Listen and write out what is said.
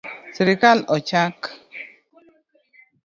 Sirkal ochak